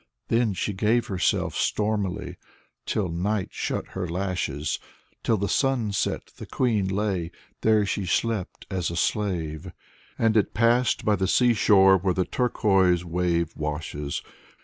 Then she gave herself stormily, till night shut her lashes. Till the sunset the queen lay, there she slept as a slave. ... And it passed by the sea shore where the turquoise wave washes.